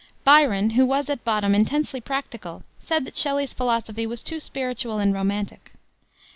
Byron, who was at bottom intensely practical, said that Shelley's philosophy was too spiritual and romantic.